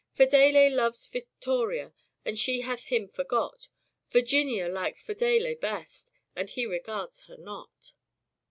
Fedele loves Victoria, and she hath him forgot ; Virginia likes Fedele best, and he regards her not."